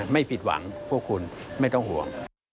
ไม่ผิดหวังพวกคุณไม่ต้องห่วง